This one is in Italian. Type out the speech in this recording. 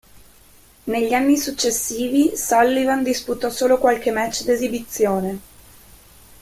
Negli anni successivi, Sullivan disputò solo qualche match d'esibizione.